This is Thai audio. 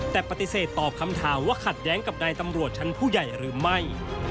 แต่ปฏิเสธตอบคำถามว่าขัดแย้งกับนายตำรวจชั้นผู้ใหญ่หรือไม่